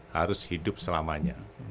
harus hidup selamanya